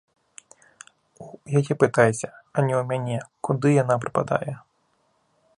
У яе пытайся, а не ў мяне, куды яна прападае.